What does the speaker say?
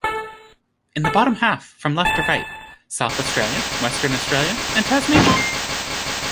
In the bottom half, from left to right: South Australia, Western Australia, and Tasmania.